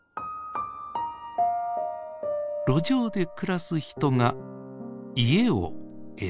路上で暮らす人が家を得る。